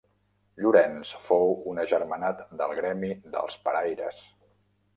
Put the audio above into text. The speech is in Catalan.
Llorenç fou un agermanat del gremi dels paraires.